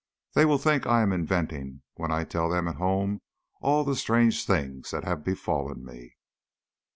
They will think I am inventing when I tell them at home all the strange things that have befallen me.